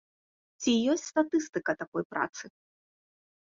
Ці ёсць статыстыка такой працы?